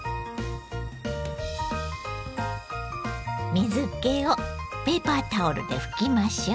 水けをペーパータオルで拭きましょう。